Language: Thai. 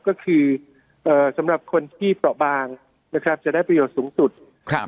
ก็คือเอ่อสำหรับคนที่เปราะบางนะครับจะได้ประโยชน์สูงสุดครับ